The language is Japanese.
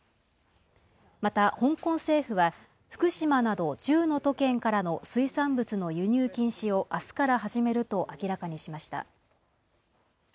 また、香港政府は、福島など１０の都県からの水産物の輸入禁止をあすから始めると明らかにしました。